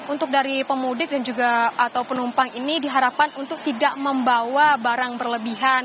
untuk dari pemudik dan juga atau penumpang ini diharapkan untuk tidak membawa barang berlebihan